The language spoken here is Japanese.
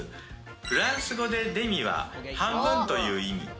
フランス語でデミは半分という意味。